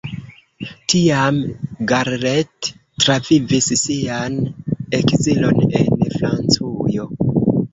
Tiam Garrett travivis sian ekzilon en Francujo.